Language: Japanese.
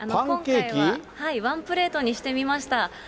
今回はワンプレートにしてみました。